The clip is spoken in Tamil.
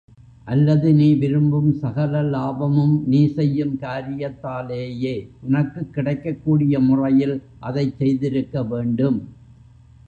அல்லது நீ விரும்பும் சகல லாபமும் நீ செய்யும் காரியத்தாலேயே உனக்குக் கிடைக்கக்கூடிய முறையில் அதைச் செய்திருக்க வேண்டும்.